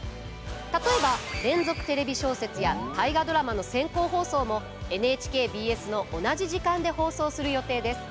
例えば「連続テレビ小説」や「大河ドラマ」の先行放送もＮＨＫＢＳの同じ時間で放送する予定です。